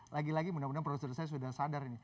lagi lagi mudah mudahan produser saya sudah sadar ini